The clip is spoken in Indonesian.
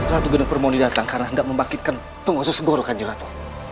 ratu geneng permoni datang karena hendak membangkitkan pengusaha segorowkidu